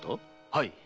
はい。